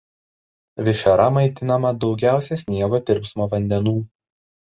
Višera maitinama daugiausia sniego tirpsmo vandenų.